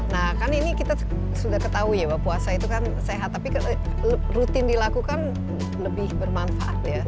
nah kan ini kita sudah ketahui ya bahwa puasa itu kan sehat tapi rutin dilakukan lebih bermanfaat ya